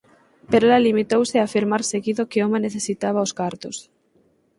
Pero ela limitouse a afirmar seguido que o home necesitaba os cartos.